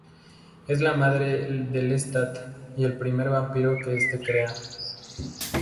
Es la madre de Lestat y el primer vampiro que este crea.